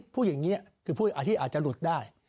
พวกอย่างนี้คือพวกอาทิตย์อาจจะหลุดได้